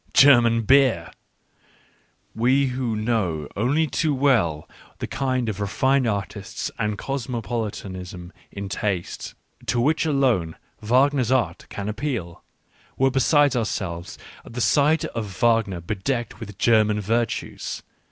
German beer !... We who know only too well the kind of refined artists and cosmopolitanism in taste, to j which alone Wagner's art can appeal, were beside ourselves at the sight of Wagner bedecked with German virtues.